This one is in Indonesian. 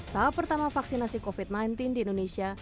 tahap pertama vaksinasi covid sembilan belas di indonesia